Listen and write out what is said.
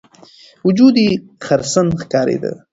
وجود یې خرسن ښکارېده.